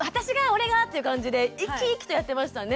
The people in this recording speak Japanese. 「俺が！」っていう感じで生き生きとやってましたね。